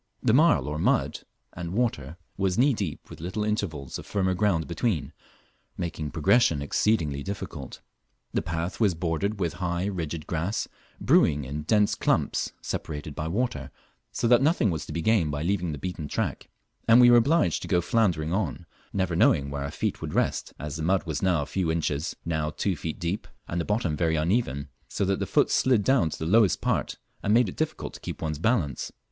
The marl or mud and water was knee deep with little intervals of firmer ground between, making progression exceedingly difficult. The path was bordered with high rigid grass, brewing in dense clumps separated by water, so that nothing was to be gained by leaving the beaten track, and we were obliged to go floundering on, never knowing where our feet would rest, as the mud was now a few inches, now two feet deep, and the bottom very uneven, so that the foot slid down to the lowest part, and made it difficult to keep one's balance.